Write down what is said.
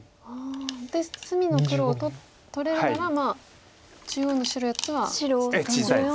で隅の黒を取れるなら中央の白４つは捨ててもと。